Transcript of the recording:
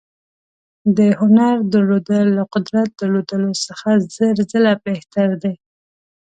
د هنر درلودل له قدرت درلودلو څخه زر ځله بهتر دي.